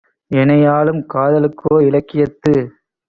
எனைஆளும் காதலுக்கோர் இலக்கியத்துக்